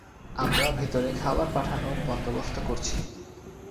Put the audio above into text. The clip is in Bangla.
আমরা ভেতরে খাবার পাঠানোর বন্দোবস্ত করছি।